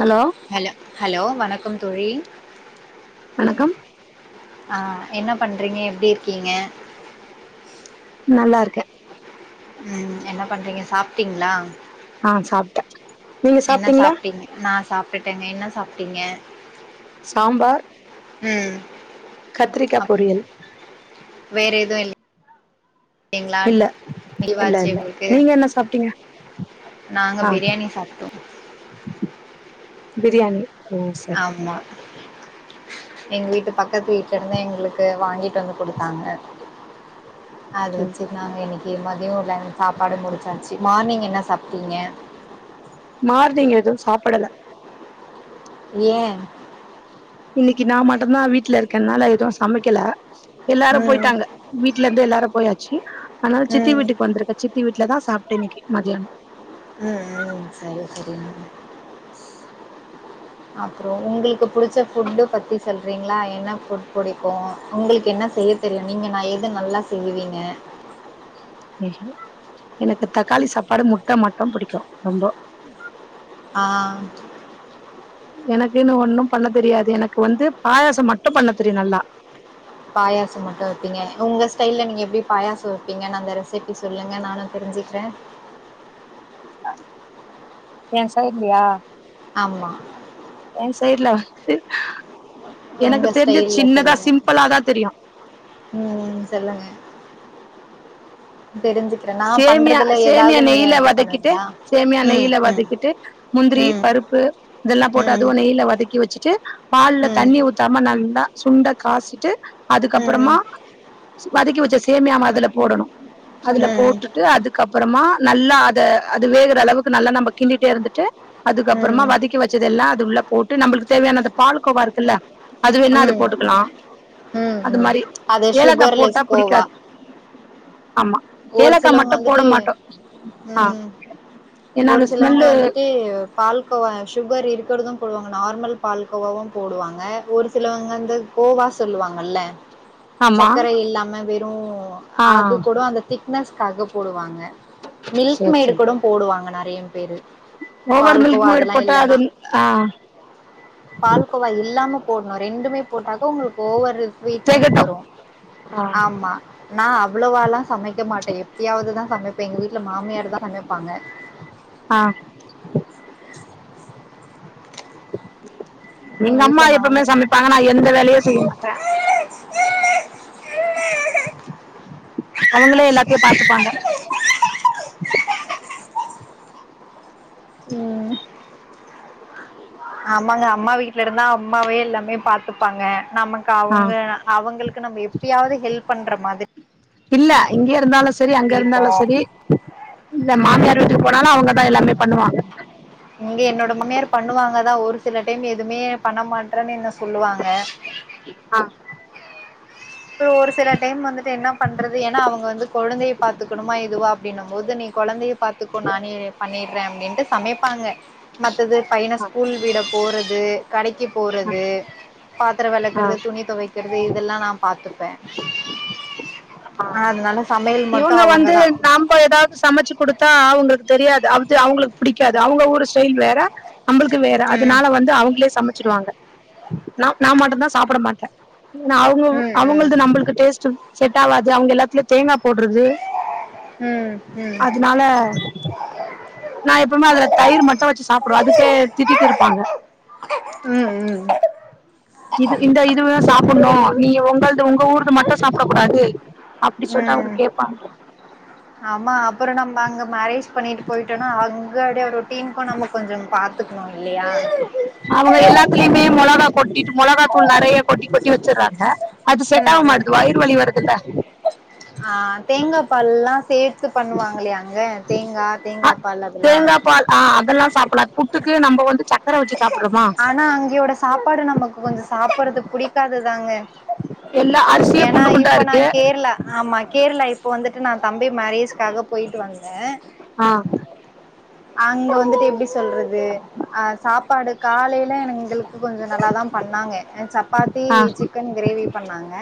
Hello hello hello வணக்கம் தோழி வணக்கம் ஆ என்ன பண்றீங்க எப்டி இருக்கீங்க நல்லா இருக்கே உ என்ன பண்றீங்க சாப்டீங்களா ஆ சாப்டே என்ன சாப்டீங்க நா சாப்டுட்டேங்க என்ன சாப்டிங்க சாம்பார் ம் கத்திரிக்கா அப் பொரியல் வேற எதுவு இல் ங்களா இல்ல இல்ல லீவாச்சு இல்ல உங்களுக்கு நீங்க என்ன சாப்ட்டீங்க நாங்க ஆ பிரியாணி சாப்டோ பிரியாணி ஓ சரி ஆமா எங்க வீட்டு பக்கத்து வீட்ல இருந்து எங்களுக்கு வாங்கிட்டு வந்து குடுத்தாங்க அத ம் வெச்சு நாங்க இன்னிக் ப்புல்ல மதியோ லன்ச் சாப்பாடு முடுச்சாச்சு மார்னிங் என்ன சாப்டீங்க மார்னிங் எது சாப்படல ஏ இன்னைக்கு நா மட்டுந்தா வீட்ல இருக்கனால எது சமைக்கல எல்லாரு ம் போயிட்டாங்க வீட்ல இருந்து எல்லாரு போயாச்சு அதனால சித்தி ம் வீட்டுக்கு வந்துருக்க சித் சித்தி வீட்லதா சாப்ட இன்னிக்கு மதியானம் ம் ம் சரி சரிங்க தோழி அப்புறோ உங்களுக்கு புடுச்ச ஃபுட்டு பத்தி சொல்றீங்களா என்ன ஃபுட் புடிக்கு உங்களுக்கு என்ன செய்ய தெரியு நீங்க நா எது நல்லா செய்வீங்க [inaudible] எனக்கு தக்காளி சாப்பாடு முட்ட மட்டும் புடிக்கு ரொம்போ ஆ எனக்குன்னு ஒண்ணும் பண்ண தெரியாது எனக்கு வந்து பாயாசோ மட்டு பண்ண தெரியு நல்லா பாயாசோ மட்டு வெப்பீங்க உங்க ஸ்டைல்ல நீங்க எப்டி பாயாசோ வெப்பீங்க நா அந்த ரெசிபி சொல்லுங்க நானு தெருஞ்சுக்குற [unintelligible] இல்லையா ஆமா என் சைடு வந்து எனக்கு உங்க தெரிஞ்சு ஸ்டைல்ல சின்னதா சொல்லுங்க சிம்பிளாதா தெரியு ம் சொல்லுங்க தெரிஞ்சுக்கிறேன். நான் சேமியா பண்றதுல சேமியா ஏதாவது நீங்க நெய்யில இது வதக்கிட்டு பண்ணுவீங்களா? சேமியா ம். நெய்யில ம். வதக்கிட்டு முந்திரி ம். பருப்பு இதெல்லா போட்டு ம். அதுவு நெய்யில வதக்கி வெச்சுட்டு பால்ல ம். தண்ணி ஊத்தாம நல் லா சுண்ட காசிட்டு அதுக்கப்புறமா ம். ம். வதக்கி வெச்ச சேமியாவ அதுல போடணு அதுல ம். போட்டுட்டு அதுக்கப்புறமா நல்லா அத அது வேகுற அளவுக்கு நல்லா நம்ம கிண்டட்டே இருந்துட்டு அதுக்கப்புறமா ம். வதக்கி வெச்சத எல்லா அது உள்ள போட்டு நம்மளுக்கு தேவையான அந்த பாலு கோவா இருக்குல்ல அது வேணா அது ம். போட்டுக்கலா ம் அது ம் மாரி அது ஏலக்கா சுகர்லெஸ் போட்டா கோவா புடிக்காது ஆமா ஒரு ஏலக்கா சிலவங்க மட்டு போட வந்துட்டு மாட்டோ ஆ ம் ஏன்னா ஒரு அந்த சிலவங்க ஸ்மெல்லு வந்துட்டு பால்கோவ சுகர் இருக் தும் போடுவாங்க நார்மல் பால கோோவாவு போடுவாங்க ஒரு சிலவங்க வந்து கோவா சொல்லுவாங்கல்ல ஆமா சர்க்கரை இல்லாம வெர் ம் ஆ அது கூட அந்த தி்க் ஸ்காக போடுவாங்க மில்க் சேரி மேடு சேரி கூட போடுவாங்க ந நிறைய பேரு ஓவர் பால் மில்க் கோவா மேட் அதெல்லா போட்டா அது இல்லன்னா ஆ பால்கோவா இல்லாம போடணு ரெண்டுமே போட்டாக்க உங்களுக்கு ஓவ்வரு ஸ்வீட்னஸ் தெகட்டு வரு ஆ ஆமா நா அவ்வளவாலா சமை சமைக்கவே மாட்டே எப்பியாவதுதா சமை இப்ப எங்க வீட்டுல மாமியார் தா சமைப்பாங்க ஆ எங்க நீங்க அம்மா வீட்ல எப்பவுமே மாமியார் சமைப்பாங்க நா எந்த வேலையு செய்ய மாட்டே அவங்களே எல்லாத்தையு பாத்துப்பாங்க ம் ஆமாங்க அம்மா வீட்டு்ல இருந்தா அம்மாவே எல்லாமே பாத்துப்பாங்க நமக்கு ஆ அவங்க அவங்களுக்கு நம்ம எப்பயாவது ஹெல்ப் பண்ற மாதிரி இல்ல இங்கய இருந்தாலு சரி அங்க இருக்கும். இருந்தாலுமசரி இந்த மாமியார் ம். வீட்டு போனாலு அவங்கதா எல்லாமே பண்ணுவாங்க இங்க என்னோட மாமியார் பண்ணுவாங்க தான். ஒரு சில டைம் எதுவுமே பண்ண மாட்டறேன்னு என்ன சொல்லுவாங்க ஆ அப்புறோ ஒரு சில டைம் வந்துட்டு என்ன பண்றது ஏன்னா அவுங்க வந்து குழந்தைய பாாரத்துக்கணுமா இதுவா அப்டின்னு போது நீ கொழந்தைய பாத்துக்கோ நானே பண்ணிரு றேன் அப்டின்ட்டு சமைப்பாங்க மத்தது பையன ஸ்கூல் விட போறது கடைக்கு போறது பாத்திரோ ஆ வெளக்கறது துணி துவைக்கிறது இதெல்லா நா பாத்துப்பே அ அதனால சமையல் மட்டு இவுங்க வந்து அவங்கதா நம்ப எதாவது சமச்சு குடுத்தா அவுங்களுக்கு தெரியாது அது அவுங்களுக்கு புடிக்காது அவுங்க ஊர் ஸ்டைல் வேற நம்மளுக்கு வேற ம் அதனால வந்து அவுங்களே சமச்சிடுவாங்க நா நா மாட் நா சாப்ட மாட்டே ஏன்னா அவுங்க ம் ம் அவுங்களது நம்மளுக்கு டேஸ்ட் செட் ஆவாது அது அவுங்க எல்லாத்துலயு தேங்கா போடுறது ம் அதனால நா எப்பவுமே அதுல தயிர் மட்டு வச்சு சாப்டுவோ அதுக்கே திட்டிட்டு இருப்பாங்க ம் ம் இது இந்த இதுவ சாப்ணு நீ உங்களது உங்க ஊர்து மட்டு சாப்டக் கூடாது அப்டி சொல்லிட்டு அவுங்க ம் கேப்பாங்க ஆமா அப்பறோ நம்ம அங்க மேரேஜ் பண்ணிட்டு போயிட்டோனா அங்காடியே அவர் திங்க் பண்ணாம கொஞ்சோ பாத்துக்கணு இல்லையா இனிமே மொளகா கொட்டி மிளகா தூள் நெறையா கொட்டி கொட்டி வச்சுடுறாங்க அது செட்ட் ம் ஆக ம் மாட்டது வயிறு வலி வருதுல்ல ஆ தேங்கா பால் எல்லா சேத் து பண்ணுவாங்கலியாங்க தேங்கா தேங்கா பால் அதெல்லா சாப்லா புட்டுக்கு நம்ம வந்து சக்கர வச்சு சாப்பிடுறோமா ஆனா அங்கேஓட சாப்பாடு நமக்கு கொஞ்சோ சாப்றது புடிக்காதது தாங்க [inaudible] அரிசியே ஏன்னா குண்டு குண்டா இப்ப நா இருக்கு கேரளா ஆமா கேரளா இப்ப வந்துட்டு நா தம்பி மே ரேஜ் காக போயிட்டு வந்தே ஆ அங்க வந்துட்டு எப்டி சொல்றது அ சாப்பாடு காலைல எனக்கு கொஞ்சோ நல்லா தா பண்ணாங்க சப்பாத்தி ஆ சிக்கன் கிரேவி பண்ணாங்க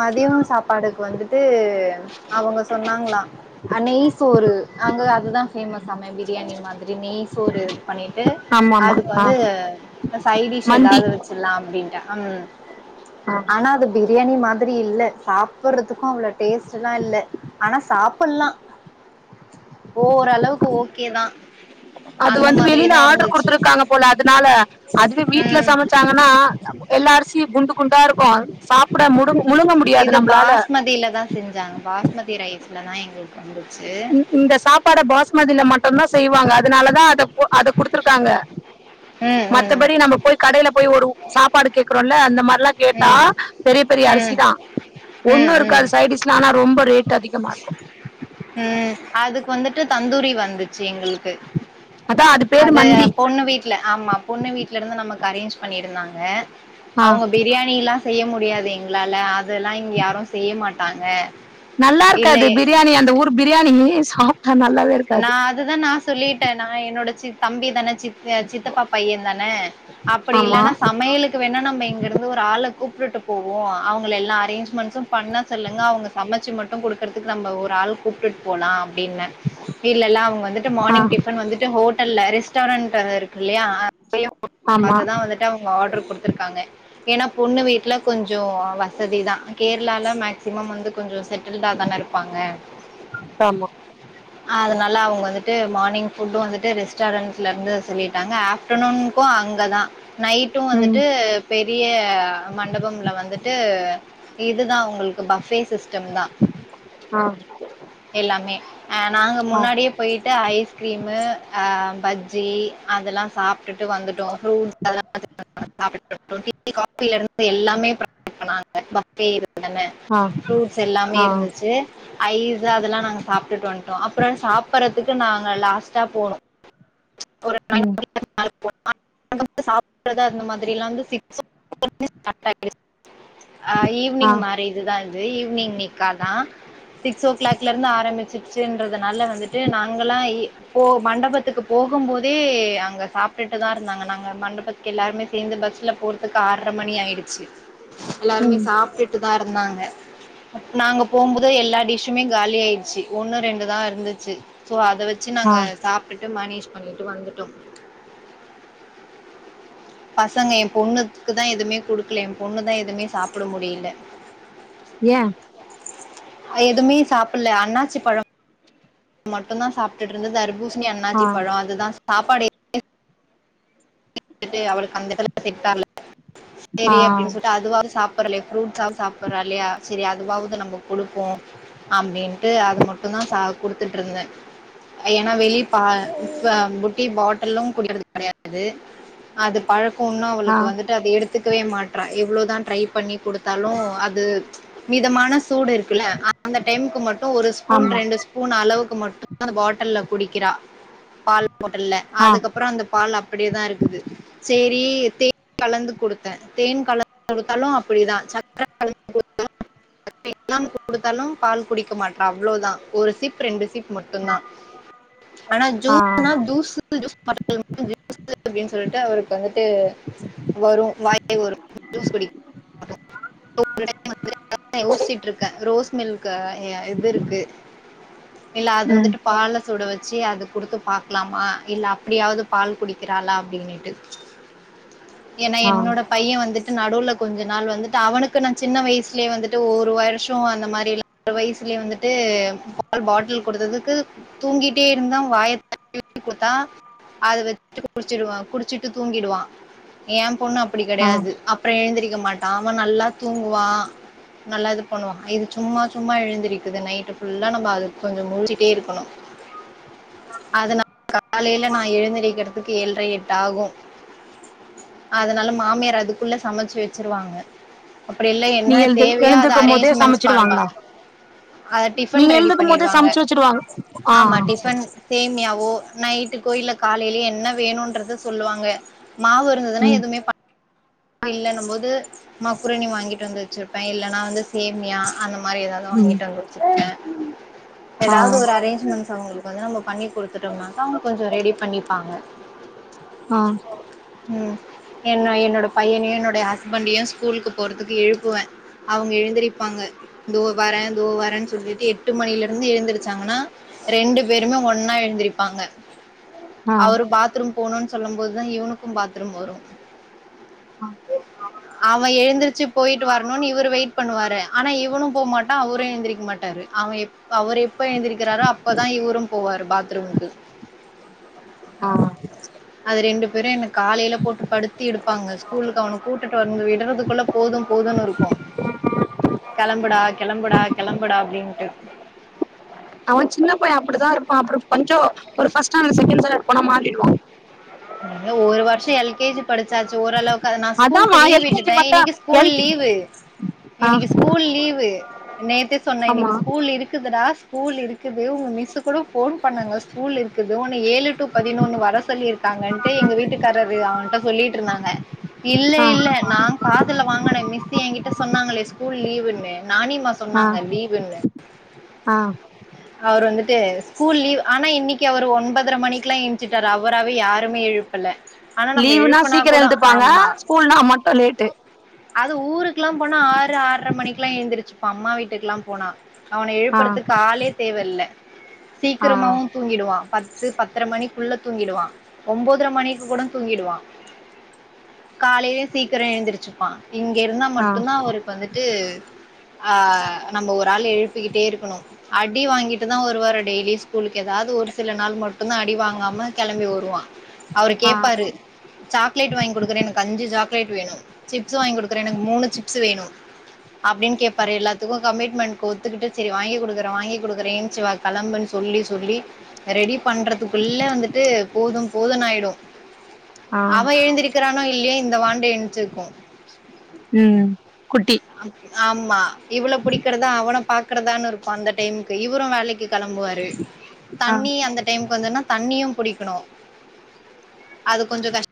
மதியோ சாப்பாடுக்கு வந்துட்டு அவுங்க சொன்னாங்களா அ நெய் சோறு அங்க அதுதா ஃபேமஸாமே பிரியாணி மாதிரி நெய் சோறு பண்ணிட்டு ஆமா ஆமா அதுக்கு ஆ வந்து சைடிஷ் மந்தி எதாவது வச்சிரலா அப்டின்ட்டு அம் ஆ ஆனா அது பி பிரியாணி மாதிரி இல்ல சாப்பிட்றதுக்கு அவ்ளோ டேஸ்ட்ட்லா இல்ல ஆனா சாப்பலா ஓரளவுக்கு ஓ கே தா அது வந்து வெளில ஆட்ரு குடுத்துருக்காங்க போல அதனால அதுவே வீட்ல ம் சமைச்சாங்கன்னா எல்லா அரி யு குண்டு குண்டா இருக்கு சாப்பட முழுங் இது பாஸ்மதியிலதா செஞ்சாங்க பாஸ்மதி ரை ஸ்லதா எங்களுக்கு வந்து இந் இந்த சாப்பாட பாஸ்மதில மட்டுந்தா செய்வாங்க அதனாலதா அத ஓ அத குடுத்துருக்காங்க ம் ம் மத்தபடி நம்ம போய் கடை ல போய் ஒரு சாப்பாடு கேக்குறோல்ல அந்த மாரி ல்லா கேட்டா ம் பெரிய பெரிய ம் அரிசிதா ம் ஒண்ணு ம் இருக்காது சைடு டிஸ்லா ஆனா ரொம்ப ரேட் அதி கமா இருக்கு ம் அதுக்கு வந்துட்டு தந்தூரி வந்து ச்சு எங்களுக்கு அதா அது பேரு மந்தி ல ஆமா பொண்ணு வீட்ல இருந்து நமக்கு அரேஞ்ச் பண்ணிருந்தாங்க ஆ அவங்க பிரியாணிலா செய்ய முடியாது எங்களால அ தெல்லா இங்க யாரு செய்ய மாட் டாங்க நல்லா இருக்காது பிரியாணி அந்த ஊர் பிரியாணி ஏ சாப் ஆ நல்லாவே நா இருக்காது அதுதா நா சொல்லிட்டே நா என்னோட சி தம்பிதான சித்த சித்தப்பா பையந்தான அப்படி ஆமா இல்லன்னா சமையலுக்கு வேண்ணா நம்ம இங்க இருந்து ஒரு ஆள கூப் ட்டுட்டு போவோ அவங்கள எல்லா அரேஞ்ச்மெண்ட்ஸு பண்ண சொல்லுங்க அவங்க சமைச்சு மட்டு குடுக்கறதுக்கு நம்ம ஒரு ஆள் கூப்டுட் போலா அப் டின்னு மெட்டீரியலல்லா அவங்க வந்துட்டு ஆ மார்னிங் டிஃபன் வந்துட்டு ஹோ ஹோட்டல்ல ரெஸ்டாரண்ட் இருக்கு இல்லையா ஆ இப்பயே ஆமா பாத்துதா வந்துட்டு அவுங்க ஆர்டரு குடுத்துங்கா இருக்காங்க ஏன்னா பொண்ணு வீட்ல கொஞ்சோ வசதி தா கேரளால மேக்சிமம் வந்து கொஞ்சோ செட் இருந்தாதானே இருப்பாங்க ஆமா அதனால அவுங்க வந்துட்டு மார்னிங் ஃபுட்டும் வந்துட்டு ரெஸ்டாரண்ட்ல இருந்து சொல்லிட்டாங்க ஆஃப்டர்நூனுக்கு அங்கதா நைட்டும் ம் வந்துட்டு பே பெரிய மண்டபம்ல வந்துட்டு இதுதா உங்களுக்கு பவ்ஃபே ம் தா ஆ எல்லாமே ஆ நாங்க ஆ முன்னாடியே போயிட்டு ஐஸ்கிரீமு ஆ பஜ்ஜி அதெல்லா சாப்டுட்டு வந்துட்டோ [unintelligible] காபி இருந்து எல்லாமே பிரிக்கலா [unintelligible] [unintelligible] ஆ ஃப்ரூட்ஸ் எல்லாமே ஆ இருந்துச்சு ஐஸ் அதெல்லா நாங்க சாப்டுட்டு வந்து அப்றோ சாப்பறதுக்கு நாங்க லாஸ்ட்டா போனோ ஒரு ம் [unintelligible] சாப்ட்ர அந்த மாதிரி லாம் [unintelligible] அ ஆ ஈவி்னிங் மேரேஜ்தா இது ஈவி்னிங் நிக்காதா சிக்ஸ் ஓ கிளாக்ல இருந்து ஆரம்பிச்சுட்டு ன்றதுனால வந்துட்டு நாங்களா போ மண்டபத்துக்கு போகும் போதே அங்கே சாப்டுட்டு தா இருந்தாங்க நாங்க மண்டபத்துக்கு எல்லாருமே சேர்ந்து பஸ்ல போறதுக்கு ஆறரை மணி ஆயிடுச்சு எல்லாருமே ம் சாப்டுட்டு அத இருந்தாங்க நாங்க போகும்போது எல்லா டிஷுமே காலி ஆயிடுச்சு ஒன்னு ரெண்டு தா இருந்துச்சு சோ அத வச்சு ஆ நாங்க சாப்டுட்டு மேனேஜ் பண்ணிட்டு வந்துட்டோ பசங்க என் பொண்ணுக்கு தா எதுவுமே குடுக்கல என் பொண்ணுதா எதுவுமே சாப்ட முடியல ஏ எதுவுமே சாப்பிடல அண்ணாச்சி பழோ மட்டுந்தா சாப்டுட்டு இருந்த தர்பூசணி ஆ அண்ணாச்சி பழோ அதுதா சாப்பாடு [unintelligible] அவளுக் [unintelligible] சேரி ஆ அப்பிடின்னு சொல்லிட்டு அதுவாது சாப் பரலே ஃப்ரூட்ஸாது சாப்பறாளே சேரி அதுவாவது நம்ம குடுப்போ அப்பிடின் ட்டு அது மட்டுதா சா குடுத்துட்டுருந்தே ஏன்னா வெளி பா ப்பா புட்டி பாட்டல்லு [unintelligible] கெடையாது அது பழக் கோண்ண ஆ அவளுக்கு வந்துட்டு அத எடுத் த்துக்கவே மாட்டற எவ்வளோதா ட்ரை பண்ணி குடுத்தாலு அது மிதமான சூடு இருக்குல அந்த டைமுக்கு மட்டு ஒரு ஸ்பூன் ஆமா ரெண்டு ஸ்பூன் அளவுக்கு மட் [unintelligible] அந்த பாட்டல்ல குடிக்கிறா பால் போட்டல்ல ஆ அதுக்கப்புறோ அந்த பால் அப்பிடியேதா இருக்கு சேரி தேன் கலந்து கொடுத்தே தேன் கலந்து குடுத்தாலு அப்பிடிதா சக்கர கலந்து குடுத்த எல்லா குடுத்தாலு பால் குடிக்க மாட்டறா அவ்ளோதா ஒரு சிப் ரெண்டு சிப் மட்டுதா ஆனா ஆ ஜூஸ்னா ஜூஸ் ஜூ [unintelligible] அப்பிடின் சொல்லிட்டு அவருக்கு வந்துட்டு வரு வாயை வரு ஜூஸ் [unintelligible] [unintelligible] [unintelligible] யோசிச்சட்டு இருக்கே ரோஸ் மில்க இது இருக்கு இல்ல அது ம் வந்துட்டு பால்ல சூட வச் சி அத குடுத்து பாக்கலாமா இல்ல அப்பிடியாவது பால் குடி க்கிறாளா அப்பிடின்னுட்டு ஏன்னா ஆ என்னோட பைய வந்துட் நடுல கொஞ்ச நாள் வந்துட்டு அவனுக்கு நான் சின்ன வயசுலே வந்துட்டு ஒரு வருஷோ அந்த மாரி வயசுலயே வந்துட்டு பால் பாட்டில் கொடுத்ததுக்கு தூங்கிட்டே இருந்தான் வாய [unintelligible] கொடுத்த அதது வச்ச [unintelligible] குடிச்சிருவா குடிச்சட்டு தூங்கிடுவான் ஏ பொண்ணு அப் அப்பிடி ஆ கெடையாது அப்புறோ எழுந்திருக்க மாட் நாம நல்லா தூங்குவா நல்லா இது பண்ணுவான் இது சும்மா சும்மா எழுந்திருக்குது நைட்டு ஃபுல்லா நம்ம அது கொஞ்சோ முழச்சிட்டே இருக்கணு அது நா காலையில நா எழுந்திருக்கிறது க்கு ஏழரை எட்டு ஆகு அதனால மாமியார் அதுக்குள்ள சமைச்சி வச்சிருவாங்க அப்பிடில்லா என்ன நீங்க எழுந்து தேவையா அத எழுந்துக்கும் போதே அரேஞ்ச்மென்ஸ் சமைச்சிடுவாங்களா பண்ப்பாங்க அத டிஃபன் நீங்க ரெடி எழுந்துக்கும் போதே பண்ணடுவாங்க சமைச்சு வச்சிடுவாங்க ஆ ஆமா சரி சரி டிபன்சேமியாவோ நைட் கோயில்ல காலையிலயே என்ன வேணுன்றத சொல்லுவாங்க மாவு இருந்ததுன்னா ம் எதுவுமே ப இல்லனு போது மக்குரனி வாங்கிட்டு வந்து வச்சிருப்பே இல்லன்னா வந்து சேமியா அந்த மா மாரி ஏதாது ம் வாங்கிட்டு வந்து வச்சிருப்பே ஆ ஏதாவது ஒரு அரேன்சிமென்ஸ் அவுங்களுக் வந்து நம்ம பண்ணி கொடுத்து ந்தோனாக்க கொஞ்சோ ரெடி பண்ணி பாங்க ஆ என்ன என்னோட பையனையு என்னுடைய ஹஸ்பண்டையு ஸ்கூலுக்கு போறதுக்கு எழுப்புவே அவங்க எழுந்திருப்பாங்க தோ வரே தோ வரேன்னு சொல்லிட்டு எட்டு மணில இருந்து எழுந்திருச்சாங்கன்னா ரெண்டு பேருமே ஒன்னா எழுந்திருப்பாங்க ஆ அவரு பாத்ரூம் போணும்ன்னு சொல்லும் போது தா இவனுக்கு பாத்ரூம் வரு அவ எழுந்தருச்சு போயிட்டு வரணும்னு இவரு வெயிட் பண்ணுவாரு ஆனா இவனு போமாட்டா அவரு எழுந்திரிக்க மாட்டாரு அவ எப் அவர் எப்ப எந்திருக்கிறாரோ அவரு அப்பதான் இவரு போவாரு பாத்ரூம்கு ஆ அது ரெண்டு பேரும் என்ன காலையில போட்டு படுத்தி எ [unintelligible] ஸூகூலுக் அவன கூட்டுட்டு வந்து விடுறதுக்குள்ள போதும் போதும்ன்னு இருக்கு கெளம்படா கெளம்படா கெளம்படா ங்டு அவ சின்னப்பய அப்டிதா இருப்பா அப்பறோ கொஞ்சோ ஒரு பர்ண்ட்ஸ்டாண்டர்ட் செக்கென்ட் ஸ்டாண்டர்டு போன மாறிடுவா படிச்சாச்சி ஓரலவு நா ஸ்கூலுக்கு அதான்மா லீவ் எல் கே ஜி விட்டுட்டே மட்டும் இன்க்கு ஸ்கூல் எல் கே லீவு ஆ இன்னிக்கு ஸ்கூல் லீவு நேத்த சொன்னே ஆமா இன்னைக்கு ஸ்கூல் இருக்குதுடா ஸ்கூல் இருக்கு க்குது உ மிஸ் கூட ஃபோன் பண்ணாங்க ஸ்கூல் இருக்குது ஏழு டு பதினொன்னு வரசொல்லி இருக்கு க்காங்கன்ட்டு எங்க வீட்டுக்காரரு அவனிட்ட சொல்லிட்டு இருந்தாங்க இல்ல ஆ இல்ல நா காதுல வாங்குனே மிஸ்ஸு என்கிட்ட சொன்னாங்களே ஸூகூல் லீவுண்ணே நானிம்மா ஆ சொன்னாங்க லீவுன்னு ஆ அவர் வந்துட்டு ஸ்கூல் லீவ் ஆனா இன்னைக்கு அவரு ஒன்பதரை மணிக்கு எல்லா எச்சுட்டாரு அவராவே யாருமே எழுப்பல ஆனா நம்ம லீவுனா எழுப்புனா சீக்கிரம் கூட எழுந்துப்பாங்க ஆமா ஸ்கூல்னா மட்டும் லேட்டு அது ஊருக்குல்லா போனா ஆறு ஆறரை மணிக்க எல்லா எழுந்திருச்சுப்பா அம்மா வீட்டுக்குல்லா போனா அவன ஆ எழுப்புறதுக்கு ஆலே தில்ல ஆ சீக்கிரமாவு தூங்கிடுவா பத்து பத்தரை மணிக்குள்ள தூங்கிடுவா ஒன்பதரை மணிக்கு கூட தூங்கிடுவா காலையிலயு சீக்கிரோ எழுந்திரச்சுப்பா இங்க இருந்தா ஆ மட்டும்தா அவரு இப்ப வந்துட்டு ஆ நம்ம ஒரு ஆள் எழுப்பிக்கிட்டே இருக்கணு அடி வாங்கிட்டு தா ஒரு வாரோ டெய்லி ஸ்கூலுக்கு எதாவது ஒரு சில நா மட்டுந்தா அடி வாங்காம கெளம்பி வருவா அவரு ஆ கேப்பாரு சாக்லேட் வாங்கி குடுக்குற எனக்கு அஞ்சு சாக் சாக்லேட் வேனு சிப்ஸ் வாங்கி குடுக்றனு எனக்கு மூனு சிப்ஸ்சு வேணு அப்டின் கேப்பாரு எல்லாத்துக்கு கமிட்மென்ட் ஒத்துக்கிட்டு சேரி வாங்கி குடுக்கர் வாங்கி குடுக்குறேன்சு வா கெளம்புன் சொல்லி சொல்லி ரெடி பண்றதுக்குள்ள வந்துட்டு போதும் போதுனு ஆயிடு ஆ அவ எழுந்திருக்கிறானோ இல்லையே இந்த வாண்டு எஞ்சுக்கு ம் குட்டி ஆம்மா இவள புடிகுறதா அவன பாக் பாக்ரதானு இருக் கு அந்த டைம்கு இவுரு வேலைக்கு கெளம்புவாரு ஆ தண்ணி அந்த டைம்க்கு வந்துதுனா தண்ணியும் புடிக் க்கணு அது கொஞ்சோ கஷ்